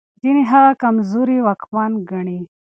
ځينې هغه کمزوری واکمن ګڼي.